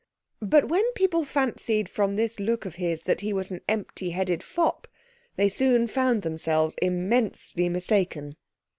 But when people fancied from this look of his that he was an empty headed fop they soon found themselves immensely mistaken.